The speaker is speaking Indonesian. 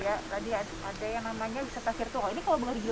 tadi ada yang namanya wisata virtual